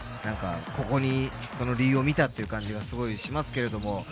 ここに理由を見たっていう感じがすごいしますけれども。